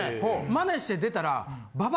真似して出たら。